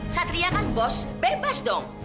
satria kan bos bebas dong